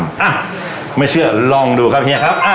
อ่ะไม่เชื่อลองดูครับเฮียครับ